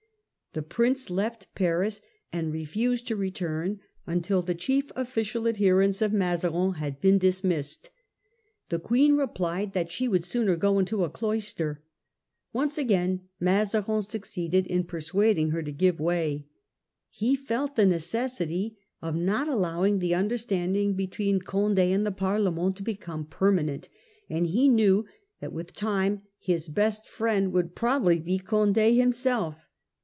The Prince left Paris and re fused to return until the chief official adherents of Mazarin had been dismissed. The Queen replied that she would and of sooner go into a cloister. Once again Mazarin tfiTparlS? succee ded in persuading her to give way. He ment. felt the necessity of not allowing the under standing between Cond£ and the Parlement to become permanent, and he knew that with time his best friend would probably be Condd himself.